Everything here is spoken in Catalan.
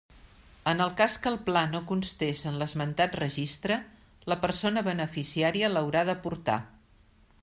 En el cas que el pla no constés en l'esmentat Registre, la persona beneficiària l'haurà d'aportar.